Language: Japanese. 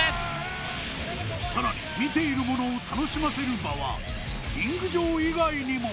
更に見ている者を楽しませる場はリング場以外にも。